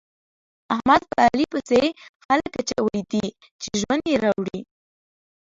احمد په علي پسې خلګ اچولي دي چې ژوند يې راوړي.